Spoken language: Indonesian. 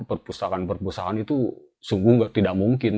perpustakaan perpustakaan itu sungguh tidak mungkin